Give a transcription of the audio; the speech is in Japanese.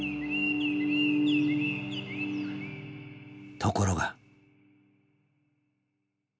ところが。